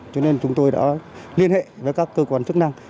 cho nên chúng tôi đã liên hệ với các cơ quan chức năng